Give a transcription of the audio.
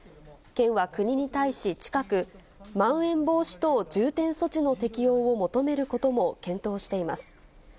県は国に対し、近く、まん延防止等重点措置の適用を求めることも検討しています。